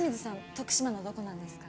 徳島のどこなんですか？